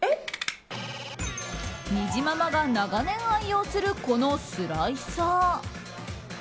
にじままが長年愛用するこのスライサー。